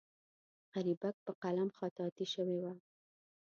غریبک په قلم خطاطي شوې وه.